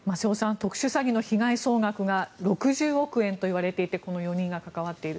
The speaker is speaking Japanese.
特殊詐欺の被害総額が６０億円といわれていてこの４人が関わっている。